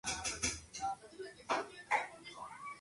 Es el mayor tributario del curso alto del río Gila.